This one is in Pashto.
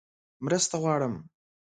_مرسته غواړم!